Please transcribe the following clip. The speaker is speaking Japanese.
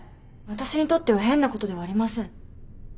私にとっては変なことではありません。